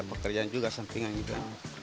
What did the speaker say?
pekerjaan juga sampingan juga